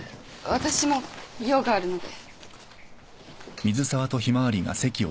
私も用があるので。